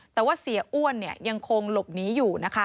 แต่ว่าเสียอ้วนยังคงหลบหนีอยู่นะคะ